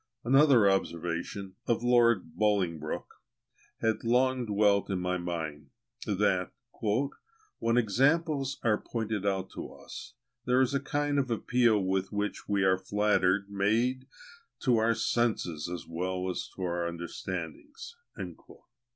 Another observation, of Lord Bolingbroke, had long dwelt in my mind, that "when examples are pointed out to us, there is a kind of appeal with which we are flattered made to our senses as well as our understandings."